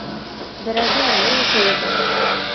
Берәүҙең мең ҡуйы бар